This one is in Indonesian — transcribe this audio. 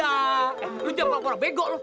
eh lu jangan kok orang bego lu